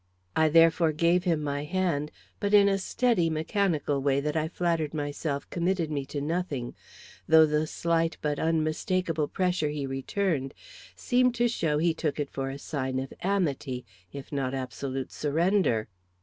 I therefore gave him my hand, but in a steady, mechanical way that I flattered myself committed me to nothing; though the slight but unmistakable pressure he returned seemed to show that he took it for a sign of amity, if not of absolute surrender.